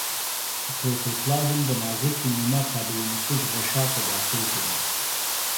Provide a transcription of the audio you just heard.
پروتوپلازم د نازکې نیمه قابل نفوذ غشا په داخل کې دی.